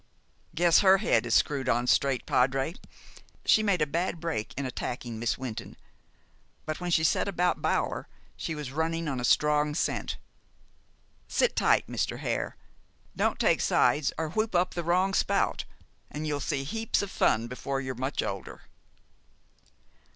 "Guess her head is screwed on straight, padre. She made a bad break in attacking Miss Wynton; but when she set about Bower she was running on a strong scent. Sit tight, Mr. Hare. Don't take sides, or whoop up the wrong spout, and you'll see heaps of fun before you're much older."